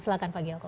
silahkan pak gioko